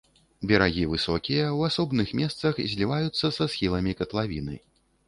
Берагі высокія, у асобных месцах зліваюцца са схіламі катлавіны.